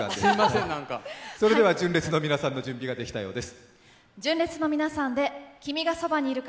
純烈の皆さんの準備ができたようです。